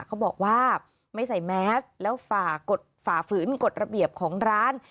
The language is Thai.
เขาบอกว่าไม่ใส่แมสแล้วฝ่าฝืนกฎระเบียบของร้าน